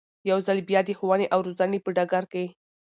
يو ځل بيا د ښوونې او روزنې په ډګر کې